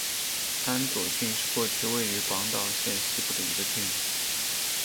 安佐郡是过去位于广岛县西部的一郡。